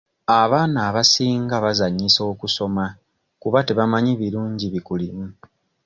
Abaana abasinga bazannyisa okusoma kuba tebamanyi birungi bikulimu.